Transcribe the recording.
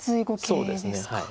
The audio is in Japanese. そうですね。